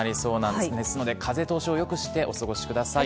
ですので風通しをよくしてお過ごしください。